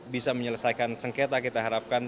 bisa menyelesaikan sengketa kita harapkan